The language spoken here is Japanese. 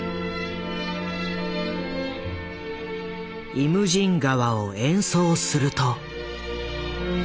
「イムジン河」を演奏すると。